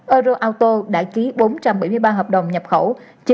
euroauto đã ký bốn trăm bảy mươi ba hợp đồng nhập khẩu